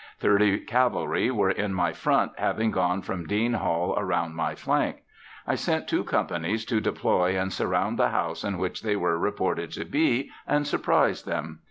Thirty cavalry were in my front having gone from Dean Hall around my flank. I sent two companies to deploy and surround the house in which they were reported to be, and surprise them.